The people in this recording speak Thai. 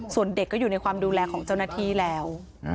ส่วนเด็กก็อยู่ในความดูแลของเจ้าหน้าที่แล้ว